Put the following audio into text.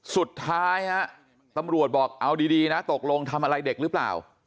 สุดท้ายฮะตำรวจบอกเอาดีนะตกลงทำอะไรเด็กหรือเปล่า